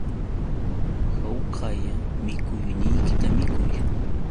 Hawkalla mikuyniykita millpuy